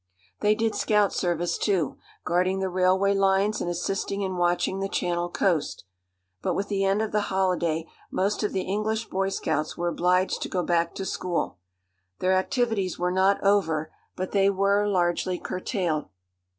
They did scout service, too, guarding the railway lines and assisting in watching the Channel coast; but with the end of the holiday most of the English boy scouts were obliged to go back to school. Their activities were not over, but they were largely curtailed.